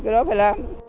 cái đó phải làm